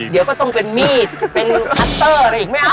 เดี๋ยวก็ต้องเป็นมีดเป็นคัตเตอร์อะไรอีกไม่เอา